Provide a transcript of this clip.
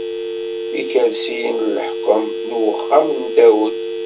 Ikersiyen n leḥkwem n uxxam n Dawed.